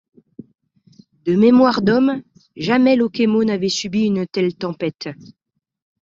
De mémoire d'homme, jamais Locquémeau n'avait subi une telle tempête.